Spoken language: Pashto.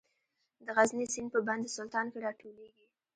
د غزني سیند په بند سلطان کې راټولیږي